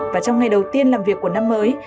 và trong ngày đầu tiên làm việc của năm mới